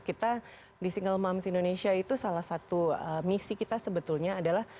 kita di single moms indonesia itu salah satu misi kita sebetulnya adalah